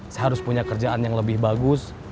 saya harus punya kerjaan yang lebih bagus